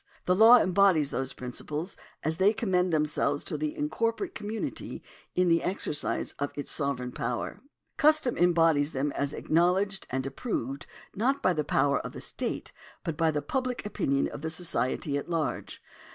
The law embodies those principles as they commend themselves to the incorporate community in the exercise of its sovereign power. Custom embodies them as acknowledged and approved not by the power of the state, but by the public opinion of the society at large.